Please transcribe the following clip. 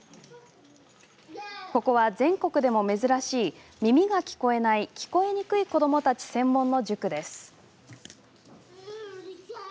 ここは全国でも珍しい耳が聞こえない、聞こえにくい子どもたち専門の塾です。